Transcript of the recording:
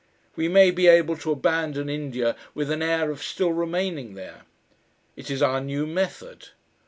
We may be able to abandon India with an air of still remaining there. It is our new method.